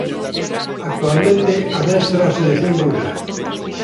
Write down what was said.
Actualmente adestra a selección búlgara.